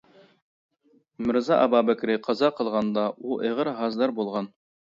مىرزا ئابابەكرى قازا قىلغاندا، ئۇ ئېغىر ھازىدار بولغان.